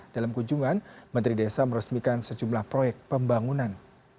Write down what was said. dalam kunjungan menteri desa meresmikan sejumlah proyek pembangunan